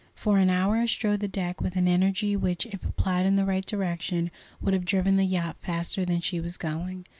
For an hour I strode the deck with an energy which, if applied in the right direction, would have driven the yacht faster than she was going.